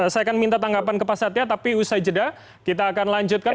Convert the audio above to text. saya akan minta tanggapan ke pak satya tapi usai jeda kita akan lanjutkan